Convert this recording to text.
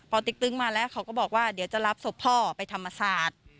พอติ๊กตึ๊งมาแล้วเขาก็บอกว่าเดี๋ยวจะรับศพพ่อไปธรรมศาสตร์